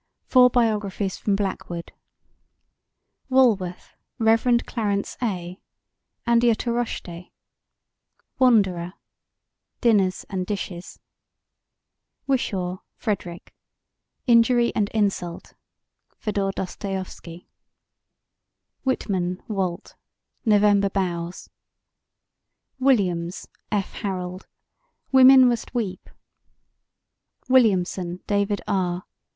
Four Biographies from Blackwood WALWORTH, REV. CLARENCE A.: Andiatorochte WANDERER: Dinners and Dishes WHISHAW, FREDERICK: Injury and Insult (Fedor Dostoieffski) WHITMAN, WALT: November Boughs WILLIAMS, F. HARALD: Women Must Weep WILLIAMSON, DAVID R.